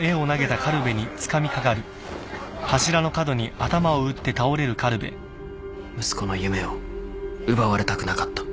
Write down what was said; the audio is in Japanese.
待てよ息子の夢を奪われたくなかった。